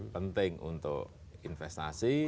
penting untuk investasi